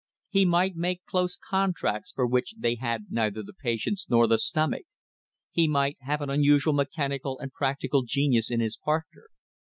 He might make close contracts for which they had neither the patience nor the stomach. He might have an unusual mechanical and practical genius in his partner.